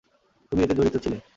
তুমি এতে জড়িত ছিলে।